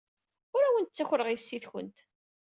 Ur awent-ttakreɣ yessi-twent.